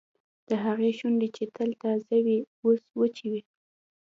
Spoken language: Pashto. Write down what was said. د هغې شونډې چې تل تازه وې اوس وچې وې